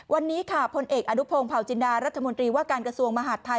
วันนี้ค่ะพลเอกอนุพงศ์เผาจินดารัฐมนตรีว่าการกระทรวงมหาดไทย